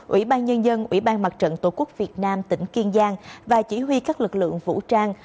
ủy ban nhân dân ủy ban mặt trận tổ quốc việt nam tỉnh kiên giang và chỉ huy các lực lượng vũ trang